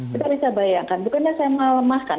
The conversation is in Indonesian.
kita bisa bayangkan bukannya saya melemahkan